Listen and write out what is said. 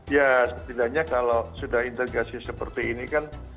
ya setidaknya kalau sudah integrasi seperti ini kan